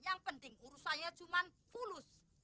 yang penting urusannya cuma fulus